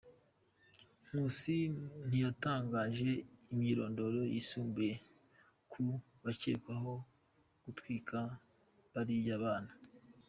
Nkusi ntiyatangaje imyirondoro yisumbuye ku bakekwaho gutwika bariya bana.